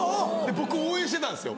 僕応援してたんですよ。